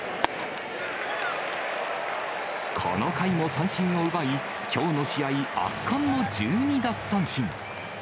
この回も三振を奪い、きょうの試合、圧巻の１２奪三振。